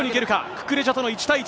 ククレジャとの１対１。